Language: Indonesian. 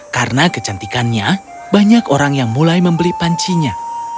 karena kecantikannya banyak orang yang mulai membeli pancinya